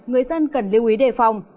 người dân cần lưu ý đề phòng